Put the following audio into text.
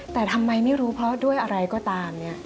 แต่ทำไมไม่รู้เพราะด้วยอะไรก็ตามเนี่ย